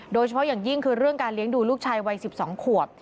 โดยเฉพาะอย่างยิ่งคือเรื่องการเลี้ยงดูลูกชายวัย๑๒ขวบ